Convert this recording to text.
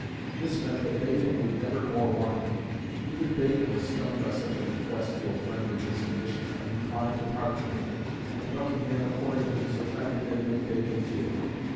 This meant that Bacon would never more want it. Even Bacon was stung by such a request to a friend in his condition, and declined to part with it; and Buckingham accordingly was offended, and made Bacon feel it.